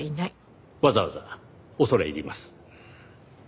わざわざ恐れ入ります。